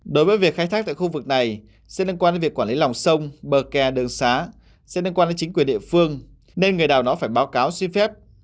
đối với việc khai thác tại khu vực này sẽ liên quan đến việc quản lý lòng sông bờ kè đường xá sẽ liên quan đến chính quyền địa phương nên người nào đó phải báo cáo xin phép